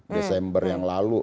desember yang lalu